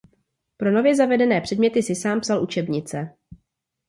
Pro nově zavedené předměty si sám psal učebnice.